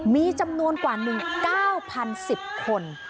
มีจำนวนกว่า๑๙๐๑๐คน